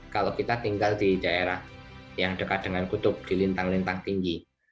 kalau kita tinggal di daerah yang dekat dengan kutub di lintang lintang tinggi